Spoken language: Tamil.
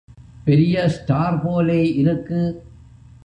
பெரிய ஸ்டார் போலே இருக்கு.